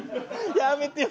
やめてよ